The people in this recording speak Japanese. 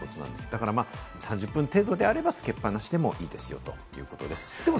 だから３０分程度であれば、つけっぱなしでもいいですよということです。